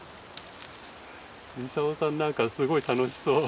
ミサオさんなんかすごい楽しそう。